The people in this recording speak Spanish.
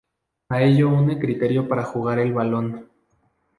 A ello une criterio para jugar el balón.